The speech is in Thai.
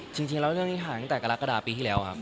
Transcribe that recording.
จริงแล้วเรื่องนี้ถ่ายตั้งแต่กระลักษณ์กระดาษปีที่แล้วครับ